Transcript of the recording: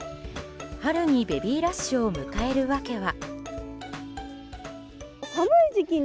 春にベビーラッシュを迎える訳は。